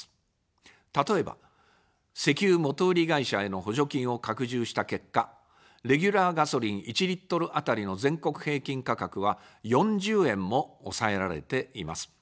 例えば、石油元売り会社への補助金を拡充した結果、レギュラーガソリン１リットル当たりの全国平均価格は４０円も抑えられています。